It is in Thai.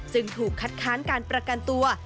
ซึ่งถูกคัดค้านการประกันตัว